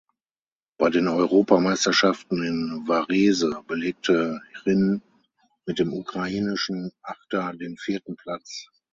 Bei den Europameisterschaften in Varese belegte Hryn mit dem ukrainischen Achter den vierten Platz.